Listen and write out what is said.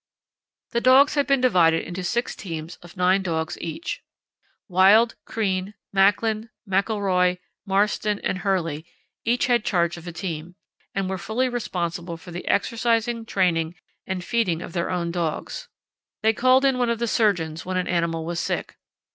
The dogs had been divided into six teams of nine dogs each. Wild, Crean, Macklin, McIlroy, Marston, and Hurley each had charge of a team, and were fully responsible for the exercising, training, and feeding of their own dogs. They called in one of the surgeons when an animal was sick.